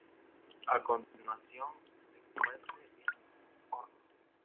A continuación se cuece en un horno.